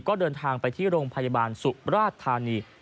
ก็เดินทางไปที่โรงพยาบาลสุราชธานี